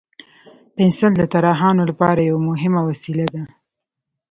پنسل د طراحانو لپاره یو مهم وسیله ده.